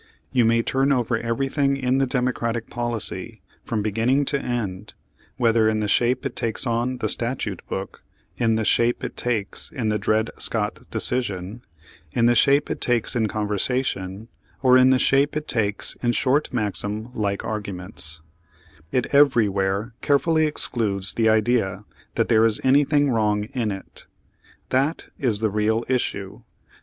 You may turn over everything in the Democratic policy from be ginning to end — whether in the shape it takes on the statute book, in the shape it takes in the Dred Scott decision, in the shape it takes in conversation, or in the shape it takes in short maxim like arguments — it every where carefully excludes the idea that there is anything wrong in it. That is the real issue.